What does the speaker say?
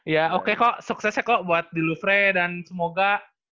ya oke kok suksesnya kok buat di louvre dan semoga